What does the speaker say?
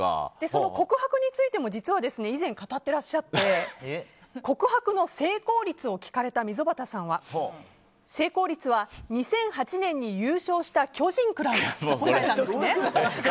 その告白についても以前、語っていらっしゃって告白の成功率を聞かれた溝端さんは成功率は２００８年に優勝した巨人くらいだと答えたんですね。